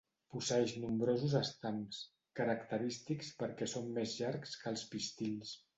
Posseeix nombrosos estams, característics perquè són més llargs que els pistils.